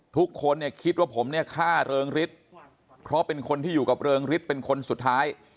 ทุกคนเนี่ยคิดว่าผมเนี่ยฆ่าเริงฤทธิ์เพราะเป็นคนที่อยู่กับเริงฤทธิ์เป็นคนสุดท้าย